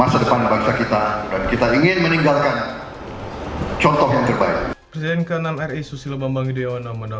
saya berterima kasih kepada anda